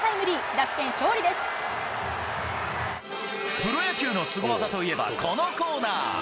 楽天、勝利でプロ野球のスゴ技といえば、このコーナー。